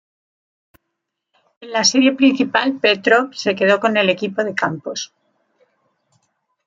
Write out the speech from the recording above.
En la serie principal, Petrov se quedó con el equipo de Campos.